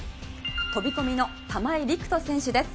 飛込の玉井陸斗選手です。